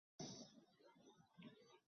这件事情使得朝廷对久光的信赖加深。